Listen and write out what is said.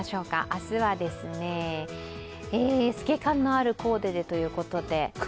明日は透け感のあるコーデでということで。